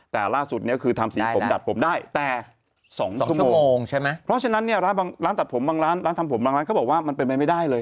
แต่ล่าสุดเนี่ยคือทำสีผมดัดผมได้แต่สองชั่วโมงใช่ไหมเพราะฉะนั้นเนี่ยร้านบางร้านตัดผมบางร้านร้านทำผมบางร้านเขาบอกว่ามันเป็นไปไม่ได้เลย